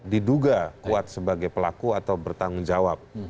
diduga kuat sebagai pelaku atau bertanggung jawab